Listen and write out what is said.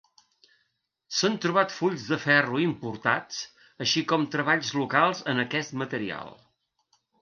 S'han trobat fulls de ferro importats, així com treballs locals en aquest material.